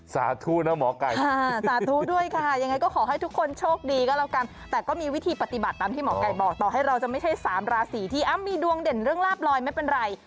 สาธุนะหมอไก่สาธุด้วยค่ะยังไงก็ขอให้ทุกคนโชคดีก็แล้วกันแต่ก็มีวิธีปฏิบัติตามที่หมอไก่บอกต่อให้เราจะไม่ใช่สามราศีที่มีดวงเด่นเรื่องลาบลอยไม่เป็นไร